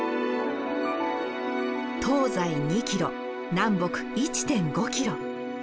東西２キロ南北１．５キロ。